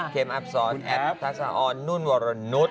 เกมอัพซอสแอฟทักษะออนนุ่นวรณุษย์